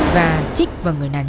và chích vào người nạn nhân